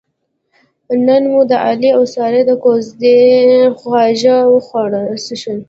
نن مو د علي اوسارې د کوزدې خواږه وڅښل.